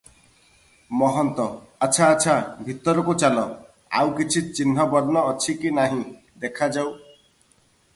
ମହନ୍ତ- ଆଚ୍ଛା ଆଚ୍ଛା, ଭିତରକୁ ଚାଲ, ଆଉ କିଛି ଚିହ୍ନ ବର୍ଣ୍ଣ ଅଛି କି ନାହିଁ, ଦେଖାଯାଉ ।